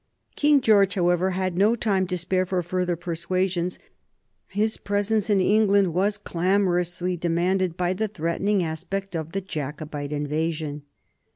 King George, however, had no time to spare for further persuasions ; his presence in England was clamorously demanded by the threatening aspect of the Jacobite invasion.